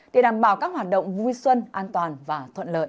để đảm bảo các hoạt động vui xuân an toàn và thuận lợi